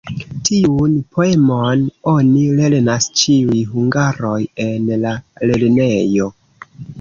Tiun poemon oni lernas ĉiuj hungaroj en la lernejo.